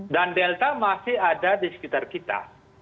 dan delta masih ada di sekitar kita